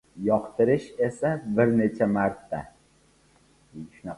Yoqtirish esa, bir necha marta.